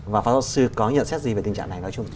và phó giáo sư có nhận xét gì về tình trạng này nói chung